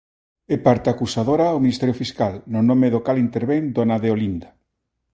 É parte acusadora o Ministerio Fiscal, no nome do cal intervén dona Deolinda.